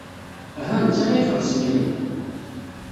Uhu, d netta ara ixellṣen aya.